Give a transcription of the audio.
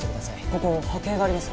ここ波形があります。